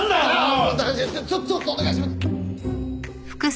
ちょっとちょっとお願いします。